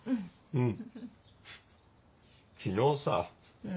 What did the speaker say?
うん。